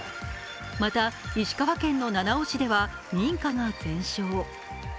また石川県の七尾市では民家が全焼。